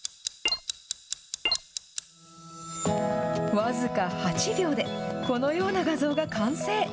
僅か８秒で、このような画像が完成。